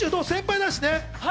先輩だしね。